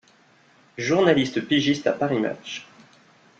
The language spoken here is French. Journaliste pigiste à Paris Match.